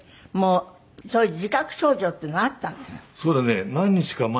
もうそういう自覚症状っていうのはあったんですか？